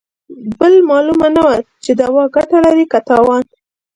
بل مالومه نه وه چې دوا ګته لري که تاوان.